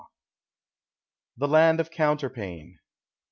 Y. THE LAND OP COUNTERPANE.